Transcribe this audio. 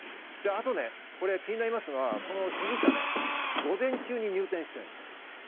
あとね、気になりますのは、この被疑者、午前中に入店しているんです。